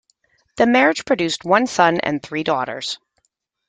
The marriage produced one son and three daughters.